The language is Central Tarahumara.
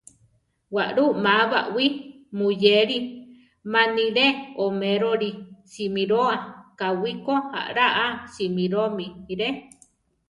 Walú ma bawí muyéli, ma ni le oméroli simíroa, káwi ko alá a simíromi re.